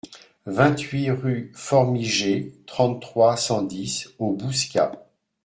vingt-huit rue Formigé, trente-trois, cent dix au Bouscat